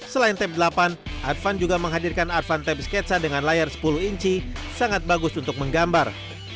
selain tep delapan advan juga menghadirkan advan tep sketsa dengan layar sepuluh inci sangat bagus untuk menggambar